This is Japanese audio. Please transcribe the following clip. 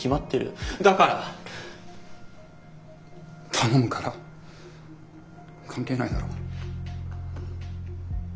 頼むから関係ないだろ。